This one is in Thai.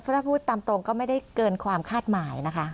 ถ้าพูดตามตรงก็ไม่ได้เกินความคาดหมายนะคะ